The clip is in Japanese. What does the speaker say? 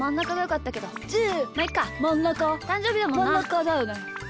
まんなかだよね。